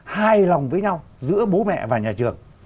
hai lòng với nhau giữa bố mẹ và nhà trường